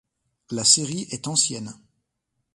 La série est ancienne.